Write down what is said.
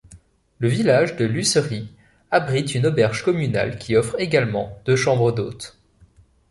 Le village de Lussery abrite une auberge communale qui offre également deux chambres d'hôtes.